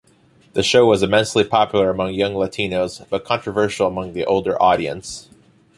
The show was immensely popular among young Latinos, but controversial among the older audience.